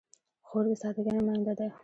خور د سادګۍ نماینده ده.